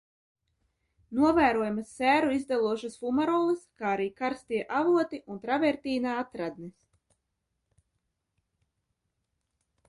Novērojamas sēru izdalošas fumarolas, kā arī karstie avoti un travertīna atradnes.